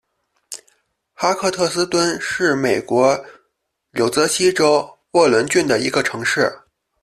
哈克特斯敦是美国纽泽西州沃伦郡的一个城市。